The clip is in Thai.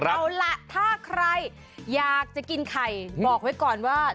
เอาล่ะถ้าใครอยากจะกินไข่บอกไว้ก่อนว่า